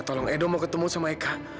tolong edo mau ketemu sama eka